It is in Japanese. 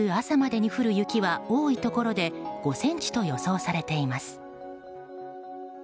朝までに降る雪は多いところで５ｃｍと予想されています。